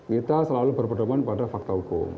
kita selalu berpedoman pada fakta hukum